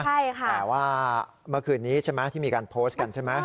ใช่ค่ะแต่ว่าเมื่อคืนนี้ใช่ไหมที่มีการโพสต์กันใช่ไหม